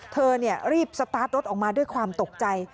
เธอรีบสตาร์ทรถออกมาด้วยความตกใจ